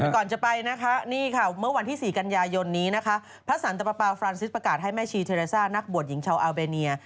ก่อนจะไปนะครับเมื่อวันที่๔กันยายนพระสันต์ประปาฟรานซิสประกาศให้แม่ชีเทรซ่านักบวชหญิงชาวอาเบเนีย